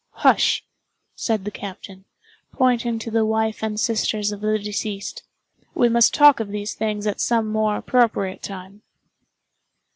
"Hush!" said the captain, pointing to the wife and sisters of the deceased. "We must talk of these things at some more appropriate time."